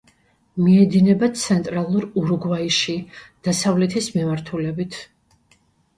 მიედინება ცენტრალურ ურუგვაიში, დასავლეთის მიმართულებით.